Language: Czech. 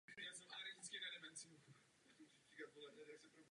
Takové byly především první parní stroje.